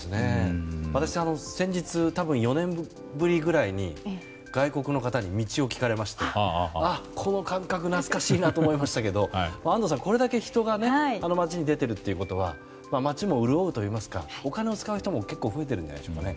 私、先日多分、４年ぶりぐらいに外国の方に道を聞かれましてこの感覚懐かしいと思いましたが安藤さん、これだけ人が街に出ているということは街もうるおうというかお金を使う人も増えているんじゃないですか。